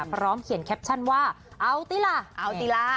พร้อมเขียนแคปชั่นว่าเอาตีล่ะเอาติลา